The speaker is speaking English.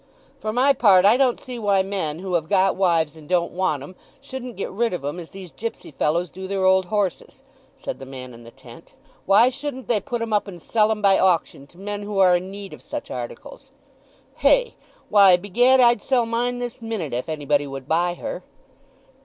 "For my part I don't see why men who have got wives and don't want 'em, shouldn't get rid of 'em as these gipsy fellows do their old horses," said the man in the tent. "Why shouldn't they put 'em up and sell 'em by auction to men who are in need of such articles? Hey? Why, begad, I'd sell mine this minute if anybody would buy her!"